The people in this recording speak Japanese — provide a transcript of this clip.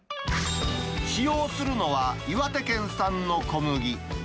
使用するのは岩手県産の小麦。